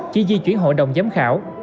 chỉ di chuyển hội đồng giám khảo